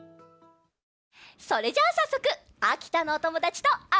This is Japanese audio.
それじゃあさっそくあきたのおともだちとあっそぼう！